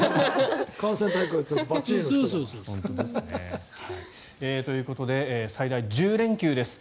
感染対策ばっちり。ということで最大１０連休です。